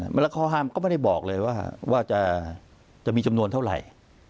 เวลาข้อห้ามก็ไม่ได้บอกเลยว่าจะมีจำนวนเท่าไหร่